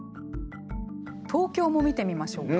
東京も見てみましょうか。